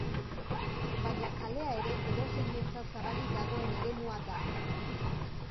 Baina kalea ere edozeinentzat zabalik dagoen eremua da.